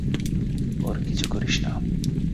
ওর কিছু করিস না!